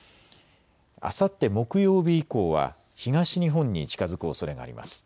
あさって木曜日以降は東日本に近づくおそれがあります。